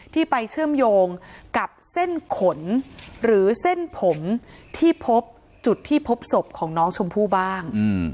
ไปเชื่อมโยงกับเส้นขนหรือเส้นผมที่พบจุดที่พบศพของน้องชมพู่บ้าง